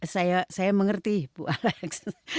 saya saya mengerti bu alex